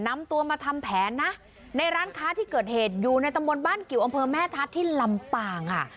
นำตัวมาทำแผนนะในร้านค้าที่เกิดเหตุอยู่ในตำบลบ้านกิวอำเภอแม่ทัศน์ที่ลำปางค่ะ